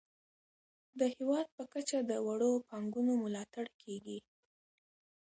د هیواد په کچه د وړو پانګونو ملاتړ کیږي.